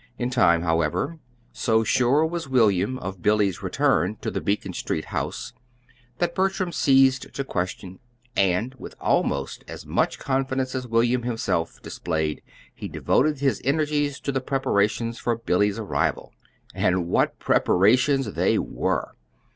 In time, however, so sure was William of Billy's return to the Beacon Street house, that Bertram ceased to question; and, with almost as much confidence as William himself displayed, he devoted his energies to the preparations for Billy's arrival. And what preparations they were!